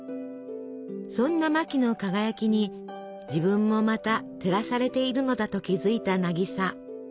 そんなマキの輝きに自分もまた照らされているのだと気付いた渚。